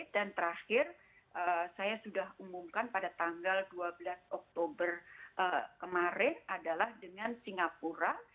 dan terakhir saya sudah umumkan pada tanggal dua belas oktober kemarin adalah dengan singapura